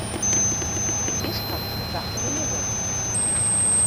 Hy is koartlyn tachtich jier wurden.